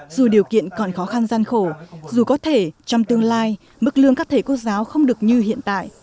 dù điều kiện còn khó khăn gian khổ dù có thể trong tương lai mức lương các thầy cô giáo không được như hiện tại